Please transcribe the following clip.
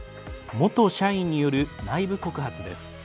元社員による内部告発です。